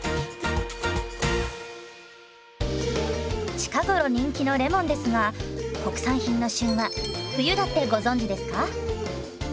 近頃人気のレモンですが国産品の旬は冬だってご存じですか？